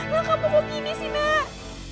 nggak kamu kok gini sih nak